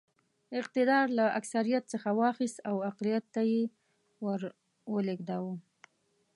اقتدار له اکثریت څخه واخیست او اقلیت ته یې ور ولېږداوه.